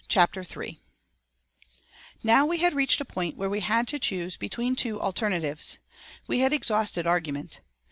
CHAPTER III Now we had reached a point where we had to choose between two alternatives. We had exhausted argument.